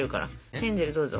ヘンゼルどうぞ。